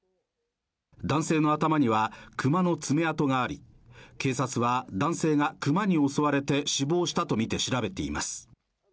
男性の頭には熊の爪痕があり、警察は男性が熊に襲われて死亡したとみて調べています。